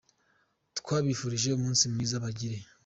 twabifurije umunsi mwiza, bagire.